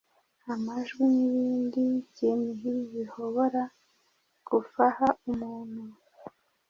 amajwi, nibindi byinhi bihobora gufaha umuntu